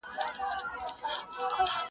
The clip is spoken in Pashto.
o هر څه ته د غم سترګو ګوري او فکر کوي,